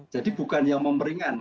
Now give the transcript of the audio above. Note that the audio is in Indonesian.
jadi bukan yang memberingan